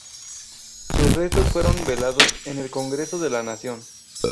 Sus restos fueron velados en el Congreso de la Nación.